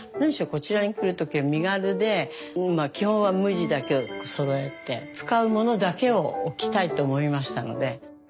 こちらに来る時は身軽で基本は無地だけをそろえて使うものだけを置きたいと思いましたので。